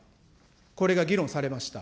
これが議論されました。